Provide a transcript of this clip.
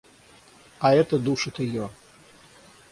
А это душит ее.